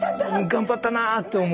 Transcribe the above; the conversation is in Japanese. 頑張ったなって思う。